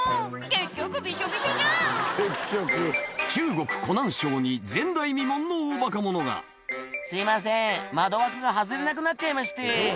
「結局びしょびしょじゃん」に前代未聞の大バカ者が「すいません窓枠が外れなくなっちゃいまして」